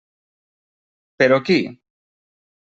Però qui?